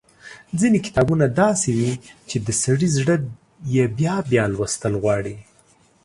ځينې کتابونه داسې وي چې د سړي زړه يې بيا بيا لوستل غواړي۔